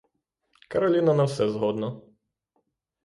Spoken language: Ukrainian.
Кароліна на все згодна.